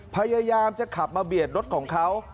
พยายามจะขับมาเบียดรถของเขา